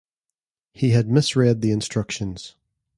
He had misread the instructions.